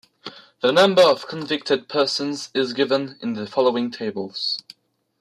The number of convicted persons is given in the following tables.